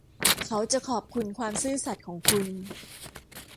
เขาจะขอบคุณความซื่อสัตย์ของคุณ